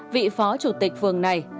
vị phó chủ tịch phường này